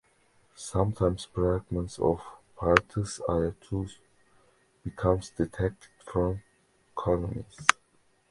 Sometimes fragments of "Porites lutea" become detached from colonies.